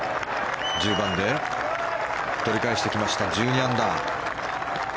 １０番で取り返してきました１２アンダー。